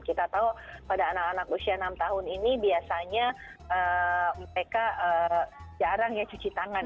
kita tahu pada anak anak usia enam tahun ini biasanya mereka jarang ya cuci tangan